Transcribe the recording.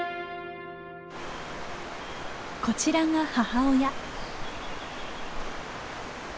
こちらが母親。